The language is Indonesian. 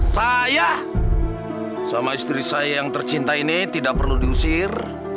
saya sama istri saya yang tercinta ini tidak perlu diusir